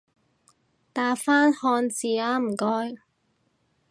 打返漢字吖唔該